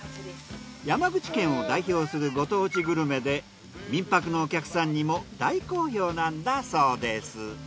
山口県を代表するご当地グルメで民泊のお客さんにも大好評なんだそうです。